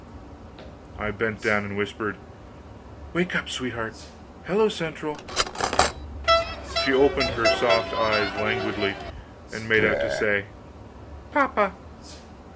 I bent down and whispered: "Wake up, sweetheart! Hello Central." She opened her soft eyes languidly, and made out to say: "Papa."